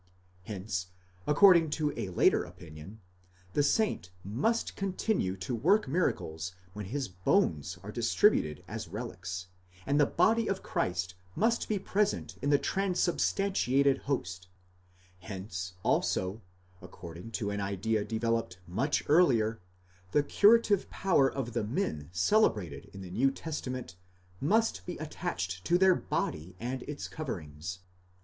Hence, according to a later opinion, the saint must con tinue to work miracles when his bones are distributed as relics, and the body of Christ must be present in the transubstantiated host ; hence also, according to an idea developed much earlier, the curative power of the men celebrated in the New Testament must be attached to their body and its coverings.